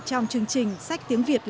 trong chương trình